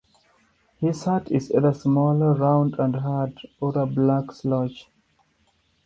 His hat is either small, round and hard, or a black slouch.